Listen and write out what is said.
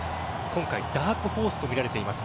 今回ダークホースと見られています。